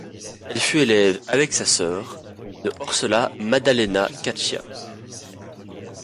Elle fut élève, avec sa sœur Laura, de Orsola Maddalena Caccia.